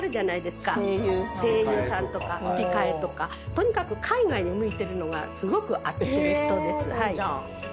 とにかく海外に向いてるのがすごく合ってる人。